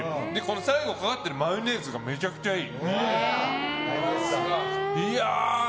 最後かかってるマヨネーズがめちゃくちゃいい。